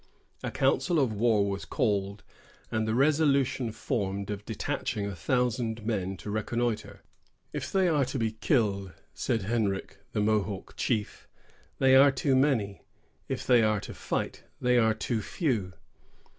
A council of war was called, and the resolution formed of detaching a thousand men to reconnoitre. "If they are to be killed," said Hendrick, the Mohawk chief, "they are too many; if they are to fight, they are too few."